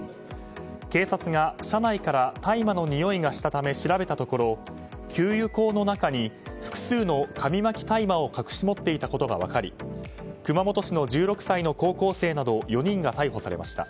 警察が車内から大麻のにおいがしたため調べたところ給油口の中に複数の紙巻き大麻を隠し持っていたことが分かり熊本市の１６歳の高校生など４人が逮捕されました。